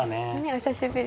お久しぶりです。